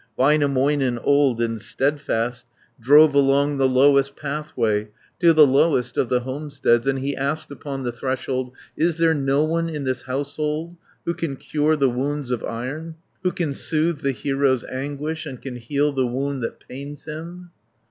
Väinämöinen, old and steadfast, Drove along the lowest pathway, 220 To the lowest of the homesteads, And he asked upon the threshold, "Is there no one in this household, Who can cure the wounds of iron. Who can soothe the hero's anguish, And can heal the wound that pains him?"